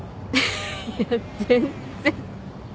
いや全然。